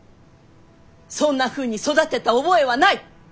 そんなふうに育てた覚えはない！